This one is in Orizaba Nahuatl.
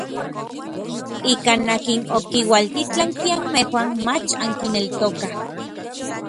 Ikan akin okiualtitlanki anmejuan mach ankineltokaj.